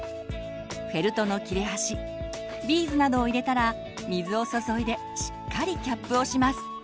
フェルトの切れ端ビーズなどを入れたら水を注いでしっかりキャップをします。